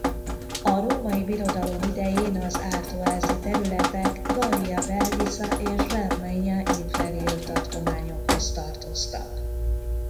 A Római Birodalom idején az artois-i területek Gallia Belgica és Germania Inferior tartományokhoz tartoztak.